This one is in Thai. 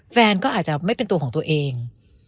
แฟนก็อาจจะไม่เป็นตัวของตัวเอง